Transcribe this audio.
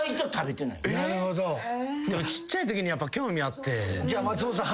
でもちっちゃいときにやっぱ興味あってじゃあ松本さん。